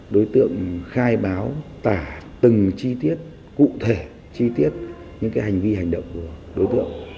đối tượng khai báo tả từng chi tiết cụ thể chi tiết những hành vi hành động của đối tượng